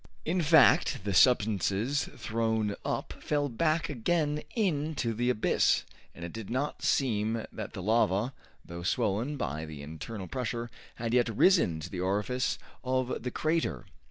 In fact, the substances thrown up fell back again in to the abyss, and it did not seem that the lava, though swollen by the internal pressure, had yet risen to the orifice of the crater.